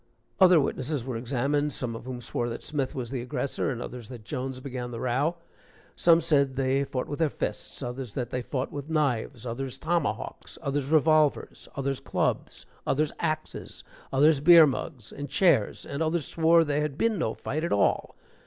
Other witnesses were examined, some of whom swore that Smith was the aggressor, and others that Jones began the row; some said they fought with their fists, others that they fought with knives, others tomahawks, others revolvers, others clubs, others axes, others beer mugs and chairs, and others swore there had been no fight at all.